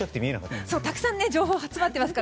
たくさん情報が詰まっていますから